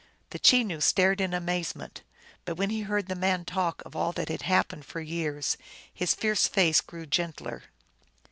The Cheiioo stared in amazement, but when he heard the man talk of all that had happened for years his fierce face grew gentler.